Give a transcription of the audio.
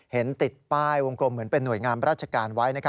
เห็นติดป้ายวงกลมเหมือนเป็นห่วยงามราชการไว้